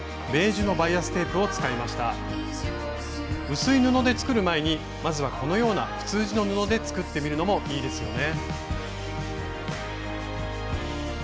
薄い布で作る前にまずはこのような普通地の布で作ってみるのもいいですよね。